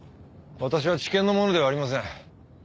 私は地検の者ではありません。